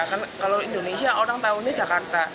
kan kalau indonesia orang tahunya jakarta